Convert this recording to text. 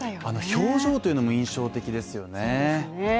あの表情というのも印象的ですよね。